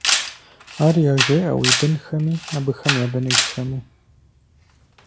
Ар яжеӀэ уи бынхэми, абыхэм я быныжхэми…